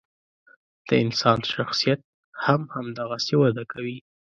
د انسان شخصیت هم همدغسې وده کوي.